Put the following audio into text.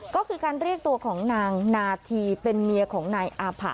ก็คือการเรียกตัวของนางนาธีเป็นเมียของนายอาผะ